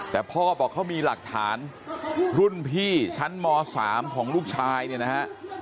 แต่พ่อบอกเขามีหลักฐานรุ่นพี่ชั้นม๓ของลูกชายเนี่ยนะฮะ